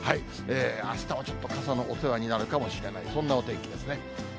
あしたはちょっと、傘のお世話になるかもしれない、そんなお天気ですね。